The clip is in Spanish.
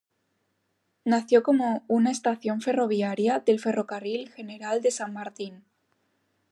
Nació como una estación ferroviaria del Ferrocarril General San Martín.